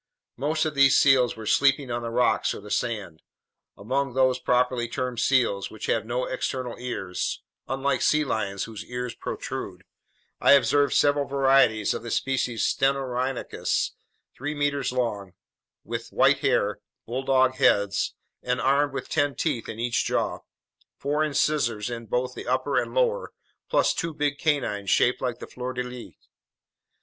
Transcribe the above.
Most of these seals were sleeping on the rocks or the sand. Among those properly termed seals—which have no external ears, unlike sea lions whose ears protrude—I observed several varieties of the species stenorhynchus, three meters long, with white hair, bulldog heads, and armed with ten teeth in each jaw: four incisors in both the upper and lower, plus two big canines shaped like the fleur de lis.